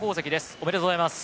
おめでとうございます。